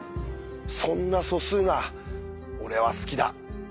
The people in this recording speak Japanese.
そんな素数が俺は好きだ。